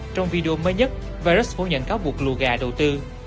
trong video mới nhất virus phủ nhận cáo buộc lùa gà đầu tư